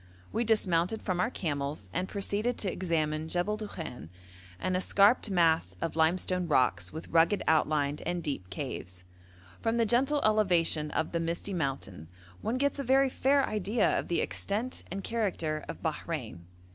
We dismounted from our camels, and proceeded to examine Jebel Dukhan, an escarped mass of limestone rocks with rugged outline and deep caves. From the gentle elevation of the misty mountain one gets a very fair idea of the extent and character of Bahrein.